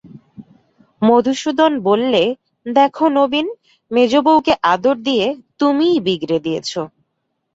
মধুসূদন বললে, দেখো নবীন, মেজোবউকে আদর দিয়ে তুমিই বিগড়ে দিয়েছ।